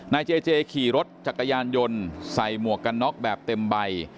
นายเจเจขี่รถจักรยานยนต์ใส่หมวกกันน็อกแบบเต็มใบ